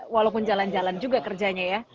walaupun jalan jalan juga kerjanya ya